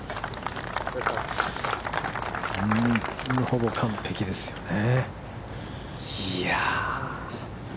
ほぼ完璧ですよね。